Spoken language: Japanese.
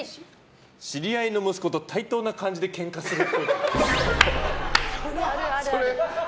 知り合いの息子と対等な感じでけんかするっぽい。